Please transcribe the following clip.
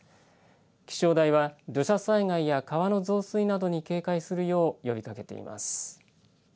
気象台は土砂災害や川の増水などに警戒するよう呼びかけています。